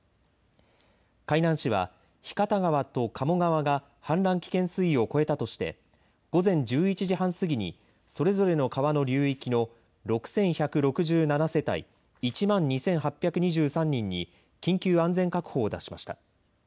海南市は日方川と加茂川が氾濫危険水位を超えたとして午前１１時半過ぎにそれぞれの川の流域の６１６７世帯１万２８２３人に緊急安全確保を出しました。